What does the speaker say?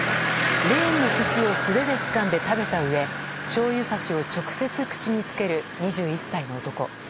レーンの寿司を素手でつかんで食べたうえしょうゆさしを直接口につける２１歳の男。